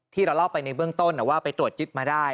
ที่เราเล่าไปในเบื้องต้นว่าไปตรวจยึดมาได้